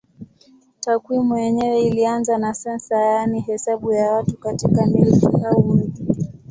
Takwimu yenyewe ilianza na sensa yaani hesabu ya watu katika milki au mji.